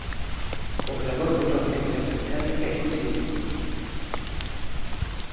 O clamor contra a política sanitaria é continuo.